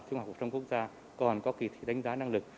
trung học phổ thông quốc gia còn có kỳ thi đánh giá năng lực